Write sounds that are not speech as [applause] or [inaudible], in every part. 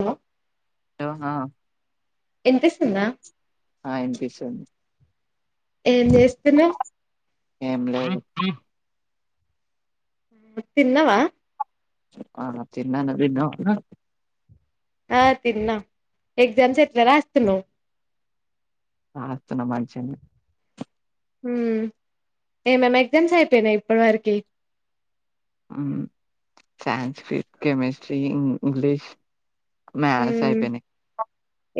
Hello అహా వినిపిస్తుందా ఆ ఇనిపిచింది ఏం చేస్తున్నావ్ ఏం లేదు తిన్నవా చిిన్న నదిన్న [unintelligible] ఆ తిన్నా ఎగ్జామ్స్ ఎట్లా రాస్తున్నవ్ ఆ వత్తన్నా మంచిఉన్నయ్ మ్ ఏమేమి ఎగ్జామ్స్ అయిపోయినాయి ఇప్పటి వరకి మ్.. సాంస్క్రిట్. కెమిస్ట్రీ ఇంగ్లీష్ మ్యాస్ హ్మ్ అయిపోయినియ్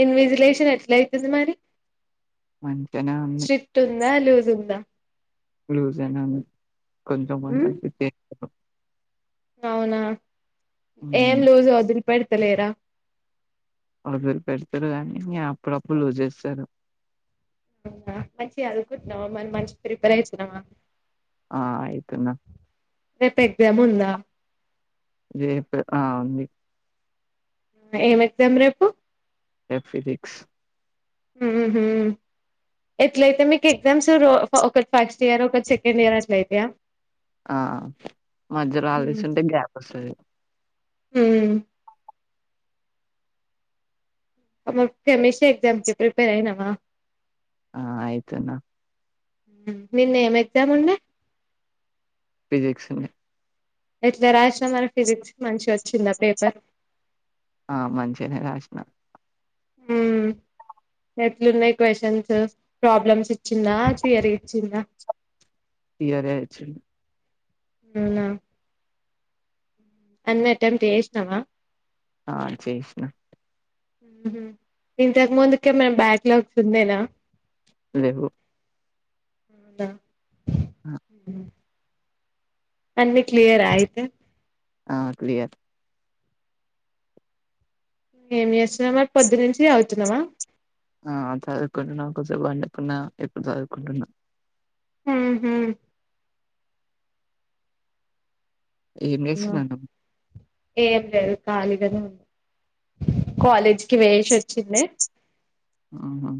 ఇన్విజిలేషన్ ఎట్లా అయితుంది మరి మంచిగానే ఉంది స్ట్రిక్ట్ ఉందా లూస్ ఉందా లూజ్ గనె ఉన్నయ్ కొంచం మంచి హ్మ్ అనిపిత్తె [inaudible] అవునా ఏం మ్మ్. లోజౌదురి పెడుతలేరా వదిలి పెడతారు కాని అప్పుడప్పుడు లూజ్ చేస్తారు అవునా మంచిగా చదుకుంటున్నావా మరి మంచి ప్రిపేర్ అయితున్నావా ఆ ఆయితున్న రేప్శ ఎగ్జాముందా రేపు ఆ ఉంది ఏమె ఎగ్జామ్ రేపు నెట్ఫిజిక్స్ హ్మ్ హు ఎట్లయితే మీకు ఎగ్జామ్స్ రో ఒక ఫస్ట్ ఇయర్ ఒకటి సెకండ్ ఇయర్ అట్లయితయా ఆ మధ్యలో ఆఫీస్తుంటే గ్యాప్ వస్తది. హ్మ్ [unintelligible] మిషిన్ ఎగ్జామ్కి ప్రిపేర్ అయినవా ఆ ఆయుతున్నా నిన్న ఏం ఎగ్జామ్ ఉండే ఫిజిక్స్ ఉంది. ఎట్ల రాషినవ్ మరి ఫిజిక్స్ మంచి ఆ మంచినే రాష్ హ్మ్ ఎట్లున్నాయి క్వశ్చన్స్ ప్రాబ్లమ్స్ ఇచ్చిందా థియరీ ఇచ్చిందా థియరే వచ్చింద్ అవునా అన్నీ అటెప్ట్ చేస్నవా ఆ చేష్నా హ్మ్ హు ఇంతకు ముందుకేమైనా బ్యాక్ లాగ్స్ ఉండేనా లేవు అవున హ్మ్ అన్ని క్లియరా అయితే ఆ క్లియర్ ఏమ్ చేస్తున్నావ్ మరి పొద్దు నుంచి చదుతున్నవా ఆ చదువుకుంటున్నా కొద్దిసేపు పండుకున్నా ఇప్పుడు చదువుకుంటున్నా. హ్మ్ హు ఏం అవునా, చేస్తున్నాను ఏం లేదు ఖాళీగనే ఉన్న కాలేజ్కీ పోయ్యేషి వచ్చిన్నే ఆహా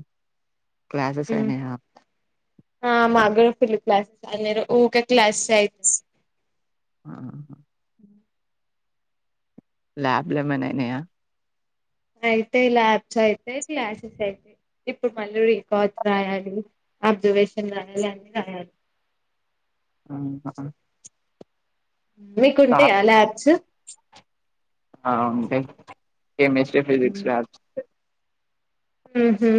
క్లాసెస్ మ్. అయినాయా ఆ మా గూడ ఫుల్ క్లాసెస్ అనేరు ఊకే క్లాసెస్ అయి ఆాా లబ్లా ఏమైనా అయినాయ అయితయి ల్యాబ్స్ అయితయి క్లాసెస్ అయితయి ఇప్పుడు మళ్ళీ రికార్డ్స్ రాయాలి అబ్సర్వేషన్ రాయాలి అన్నీ రాయాలి. అహ్ అ ఆ మీకుంటాయా ల్యాబ్స్ ఆ ఉంటయి కెమిస్ట్రీ ఫిజిక్స్ లాబ్స్ హ్మ్ హూ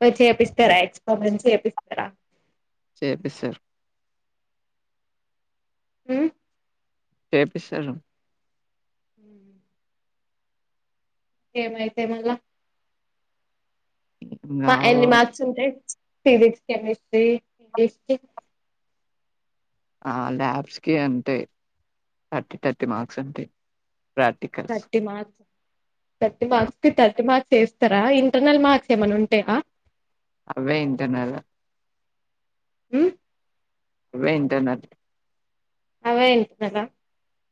మరి చేపిస్తారా ఎక్స్పరిమెంట్స్ చేపిస్తారా. చేపిస్తరు హ్మ్ చేపిస్తరు ఏమైతే మల్లా మా కావు ఎన్ని మాథ్స్ ఉంటయి ఫిజక్స్ కేెమిస్ట్రీ ఇంగ్లిష్ అ ల్యాబ్స్కి అంతే థర్టీ థర్టీ మార్క్స్ ఉంటయి థర్టీ మార్క్ థర్టీ మార్క్స్ కి థర్టీ మార్క్స్ చేస్తారా ఇంటర్నల్ మార్క్స్ ఏమైనా ఉంటాయా అవే ఇంటర్నల్ హమ్ అవే ఇంటర్నల్ అవే ఇంటర్నల్ ఆ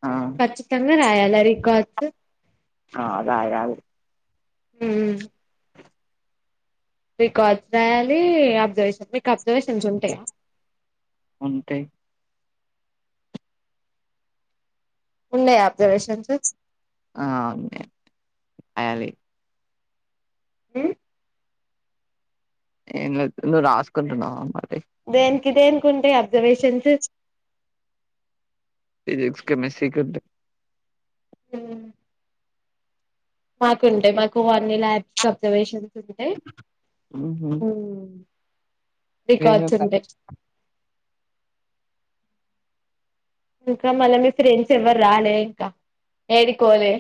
ఆ ఖచ్చితంగా రాయలా రికార్డ్స్ ఆ రాయాలి హ్మ్మ్ రికార్డ్స్ రాయాలి అబ్జర్వేషన్ మీకు అబ్జర్వేషన్స్ ఉంటాయా ఉంటై ఉన్నాయ ఆబ్జర్వషన్స ఆ ఉన్నాయ్ రాయాలి హమ్ ఏం లేదు నువ్వు రాసుకుంటున్నావా మరి దేనికి దేనికి ఉంటాయి అబ్జర్వేషన్స్ ఫిజక్స్ కెమిస్ట్రీ కుంటాయి హ మాకుంటాయి మాకు అన్ని ల్యాబ్స్ అబ్జర్వేషన్స్ ఉంటాయి ఆహ రికార్డ్స్ ఉంటాయి ఇంకా మళ్ళ మీ ఫ్రెండ్స్ ఎవరు రాలే ఇంకా ఏడికోలే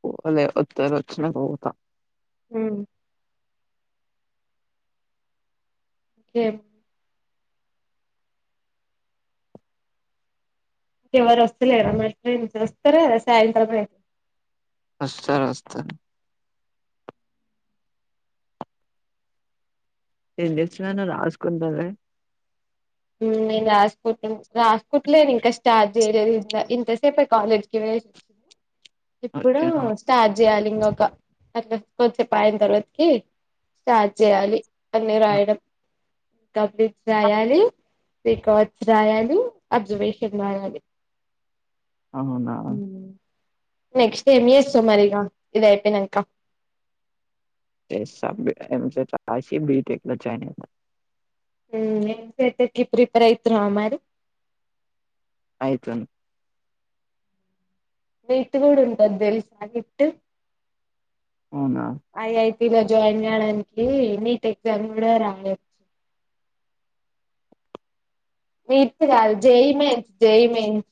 పోలె వొతేరు వచ్చినక పోతా హ్మ్ కే ఎవరు వస్తలే మరి ఫ్రెండ్స్ వస్తారా సాయంత్రం అయితే వస్తస్తారు వస్తస్తారు ఏం చేస్తన్నాను రాసుకుంటారే నేను రాసుకుంట రాసుకుట్లేను ఇంకా స్టార్ట్ చేయలేదు ఇ ఇంతసేపు కాలేజ్కి వెస్ట్ ఇప్పుడు వచ్చినాక. స్టార్ట్ చేయాలి ఇకొక అట్లా కొద్దిసేపు అయిన తర్వాతకి స్టార్ట్ చేయాలి అన్ని రాయడం కబ్లిక్ రాయాలి రికార్డ్స్ రాయాలి అబ్జర్వేషన్ రాయాలి అవునా నెక్స్ట్ ఏమ్ చేస్తావ్ మరిగా ఏదైపోయినాక ఎంసెట్ రాశి బీటెక్ లో జాయిన్ అయిత ఎంసెట్ కి ప్రిపర్ అయితునవ మరి అయితాను వీట్ గూడుంటదేల్సా నీటు అవునా లో జాయిన్ చేయడానికి నీట్ ఎగ్జామ్ కూడా రాయచ్చు. మీట్ గాదు జెయి మెన్స్, జెయి మెన్స్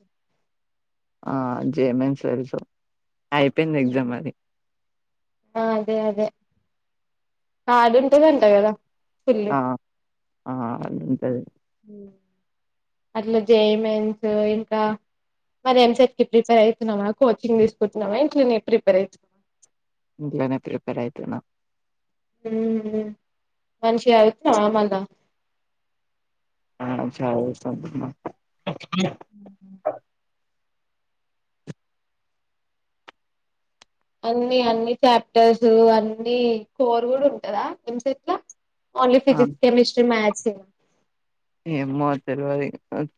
ఆ జేమెన్స తెలుసు అయిపోయింద్ ఎగ్జామ్ అది. అదే అదే హార్డ్ ఉంటదాంట గదా ఆఆ ఆఆ ఉంటది. ఉమ్ అట్లా జే మెన్స్ ఇంకా, మరి ఎం. సేట్కి ప్రిపేర్ అవుతున్నావా, కోచింగ్ తీసుకుంటన్నా, ఇంట్లనే ప్రిపేర్ అయితున్నావా. ఇంట్లోనే ప్రిపేర్ అయితున్నా. ఉమ్ మ్ మంచిగడువుతున్నావా. మళ్ళ ఆ చాలా ఇష్టం ఉహ్ అన్ని అన్ని చాప్టర్స్, అన్ని కోర్ గూడా ఉంటదా? ఎం. సెట్ ల. ఓన్లీ ఆ ఫిజిక్స్, కేెమిస్ట్రి, మ్యాస్ సేనా ఏమో తెల్వది.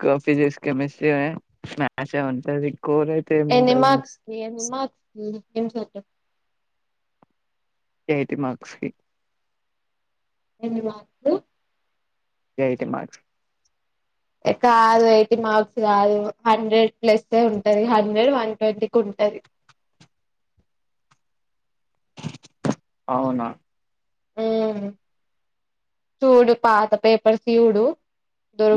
కా ఫిజిక్స్, కెమిస్ట్రీ, అండ్ మ్యాసే ఉంటది. కోర్ అయితే ఏనీ ఏముంటది మరి మార్క్స్కి, ఎన్ని మార్క్స్ కి ఉహ్ ఎం. సెట్టు. ఎయ్టి మార్క్స్ కి ఏన్ని మార్స్కు ఎయ్టీ మార్క్స్ ఎ కాదు. ఎయ్టీ మార్క్స్ గాదు. హండ్రెడ్ ప్లస్ ఎ ఉంటది, హండ్రెడ్ వన్ ట్వంటీకుంటది. అవునా హూ చూడు పాత పేపర్స్ చూడు.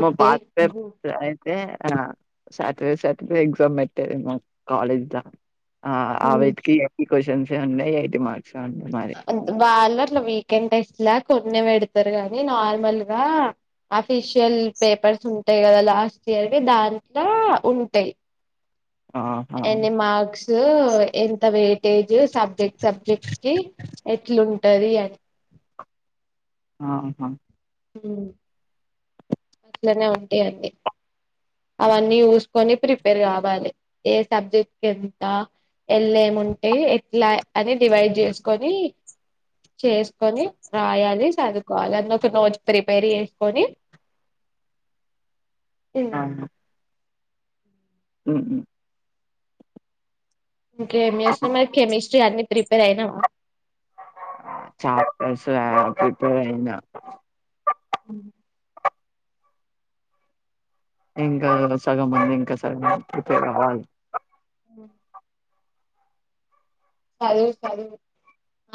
నువ్ పాత్ పేపర్స్ ఆన్ తే అంగ సాటర్డే, సాటర్డే ఎక్జామ్ పెట్టేది. మా కాలేజ్ ద ఆ హ్మ్ అవేటికి డబ్ కోషన్సే ఏ ఉండేయ్. ఎయ్టీ మార్క్ అన్ దు బాలర్లో వీకెండ్ టేస్ట్ ల. కొన్నే పెడుత్ తరు గానీ. నార్మల్ గా అఫిషియల్ పేపర్స్ ఉంటాయి కదా. లాస్ట్ ఇయర్వి దాంట్లో ఉంటాయి. ఆహా ఎన్నీ మార్స్కు ఎంత వెయిటేజ్ సబ్జెక్ట్, సబ్జెక్ట్ కి ఎట్లుంటది. ఆన్ ఆహా హ్మ్మ్ అట్లనే ఉంటాయండి. అవన్నీ ఉసుకొని ప్రిపేర్ గావాలి. ఏ సబ్జెక్ట్కి ఎంత వెళ్లేముంటాయి, ఎట్లా అని డివైడ్ చేసుకొని. చేసుకొని రాయాలి, సదువుకోవాలి. అందులోక్కట్ నోడ్ ప్రీపేర్ చేసుకొని ఇనా ఉహ్ హు ఇంకేం చేస్తున్నారు కెమిస్ట్ చ్ అన్ని ప్రిపేర్ అయినావా? ఆ ప్రిపేర్ అయినా [inaudible] అవునా ఇంకా సగం ముంది ఇంకా సగం ప్రిపేర్ అవ్వాలి. హుమ్ సదువు సదువు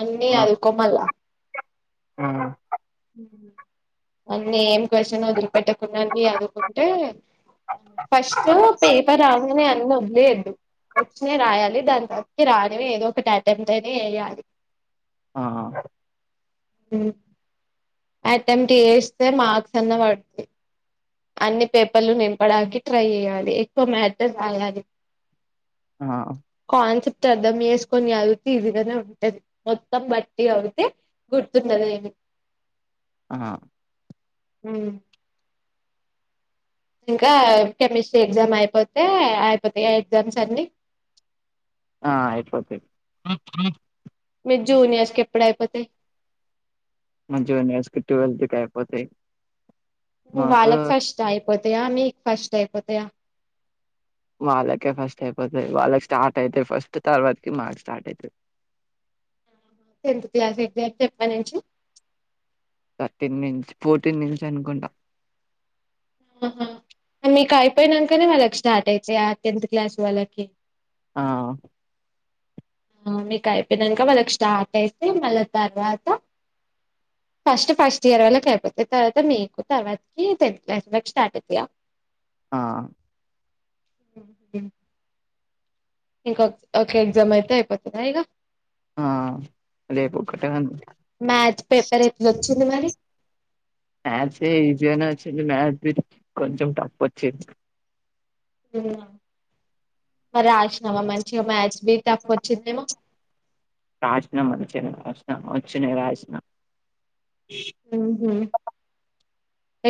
అన్నీ ఆ అదువుకోమల్ల ఆ అన్నీ ఏం క్వశ్చన్ వదిలిపెట్టకుండా ఆని చదువుకుంటే ఫస్ట్ పేపర్ రాంగానే అన్నవో లేదు వచ్చినయి రాయాలి దాని తర్వాత రాని ఏదోఒకటి అట్టేమేట్ అయితే చేయాలి. ఆ ఉమ్ అటెమేట్ చేస్తే మార్క్స్ అన్న పడతాయి. అన్ని పేపర్లు నింపడానికి ట్రై చేయాలి. ఎక్కువ మ్యాటర్ రాయాలి. ఆ కాన్సెప్ త్తం అర్ధం చేసుకొని చదువితే ఇజీగానే ఉంటది. మొత్తం బట్టి చవితే గుర్తుండది ఏవీ ఆ ఉమ్ ఇంకా కెమిస్ట్రీ ఎగ్జామ్ అయిపోతే అయిపోతాయ ఎగ్జామ్స్ అన్ని ఆ ఆయిపోతాయి. మీ జూనియర్స్ కేప్పుడయిపోతేయి. మంచిగున్నయి స్కిట్ ట్వెల్త్ కి అయిపోతాయి. మాకు వాళ్ళకి ఫస్ట్ అయిపోతాయా మీకు ఫస్ట్ అయిపోతాయా? వాళ్ళకే ఫస్ట్ అయిపోతది వాళ్ళకి స్టార్ట్ అయితాయి ఫస్ట్ తర్వాతకి మాకు స్టార్ట్ అయితాయి. టెన్త్ క్లాస్ ఎగ్జాట్ ఎప్పటి నుంచి థర్టీన్ నుంచి ఫోర్టీన్ నుంచి అనుకుంటా హ హ మీకు అయిపోయినంకనే వాళ్ళకి స్టార్ట్ అయితయా ఆ టెన్త్ క్లాస్ వాళ్ళకి ఆ ఆ మీకు అయిపోయినంక వాళ్ళకి స్టార్ట్ అయితే మళ్ళా తర్వాత ఫస్ట్ ఫస్ట్ ఇయర్ వాళ్ళకి అయిపోతా తర్వాత మీకు తర్వాతకి టెన్త్ క్లాస్ వాళ్ళకు స్టార్ట్ అవుతాయా? ఆ ఉమ్ యా ఇంకా ఓకే ఎక్సామ్ అయితే అయిపోతదా ఇగ ఆ రేపు ఒకటే ఉంది మ్యాథ్ పేపర్ ఎట్లా వచ్చింది. మరి మ్యాథ్స్ ఏ ఈజిగనే వచ్చింది. మ్యాథ బి కొంచెం టఫ్ వచ్చింది. అవునా మరి రాసినామా మంచిగా మ్యాథ్స్ బి టఫ్ వచ్చిందేమో రాషినా మంచిగనే రాషినా వచ్చనయి రాసినా ఊహుం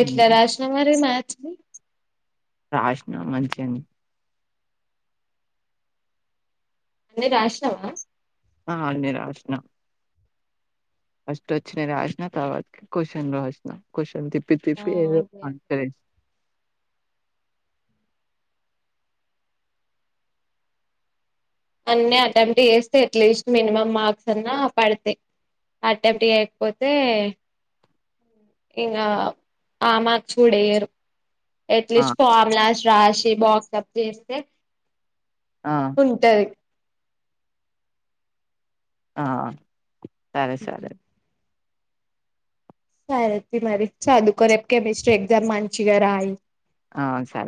ఎట్లా రాషినమారి మాచ్ నీ రాసిన మంచిగనే అన్నీ రాషినావా ఆ అన్ని రాసిన. ఫస్ట్ వచ్చినవి రాసిన తరువాత్కి క్వషన్ రాసిన క్వషన్ తిప్ ప్పి ఆ తిప్పి. ఏదో అయిపోయా అంటె, అన్ని అటెమ్ట్ చేస్తే అట్లీస్ట్ మినిమం మార్క్స్ అన్నా పడతయి. అటెమ్ట్ చేయకపోతే, హు ఇంకా ఆ మార్క్స్ కూడెయ్యరు. ఆ ఎట్లిజ్ ఫార్ములాస్ రాసి బాక్సప్ చేస్తే, ఆ ఉంటది. ఆ సరె సరె. సరే అయితే మరి. చదుకోరేపు కెమిస్ట్రీ ఎగ్జామ్ మంచిగా రాయి. ఆ సరె